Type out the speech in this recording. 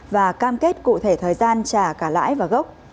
và cam kết cụ thể thời gian trả cả lãi và gốc